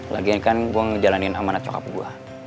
lagian kan gua ngejalanin amanat cokap gua